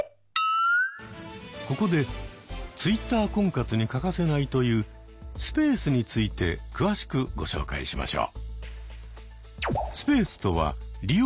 ここでＴｗｉｔｔｅｒ婚活に欠かせないというスペースについて詳しくご紹介しましょう。